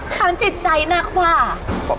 ค้างจิตใจนักว่า